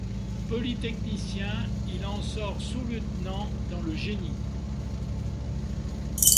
Polytechnicien, il en sort sous-lieutenant dans le Génie.